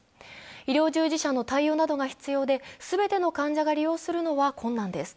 医療従事者の対応などが必要で全ての患者が利用するのは困難です。